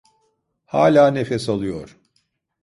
Hâlâ nefes alıyor.